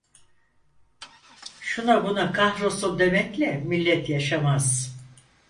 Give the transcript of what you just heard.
Şuna buna kahrolsun demekle millet yaşamaz.